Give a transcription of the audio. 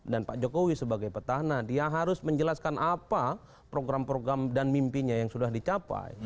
dan pak jokowi sebagai petahana dia harus menjelaskan apa program program dan mimpinya yang sudah dicapai